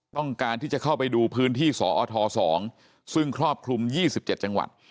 ต้องการที่จะเข้าไปดูพื้นที่สอท๒ซึ่งครอบคลุม๒๗จังหวัด